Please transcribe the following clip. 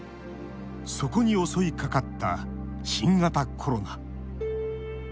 そこに襲いかかった新型コロナ。